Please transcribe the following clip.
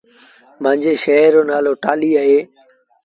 مآݩجي شآهر رو نآلو ٽآلهيٚ اهي